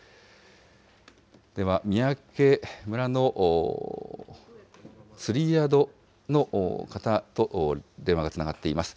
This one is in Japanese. では、三宅村の釣り宿の方と電話がつながっています。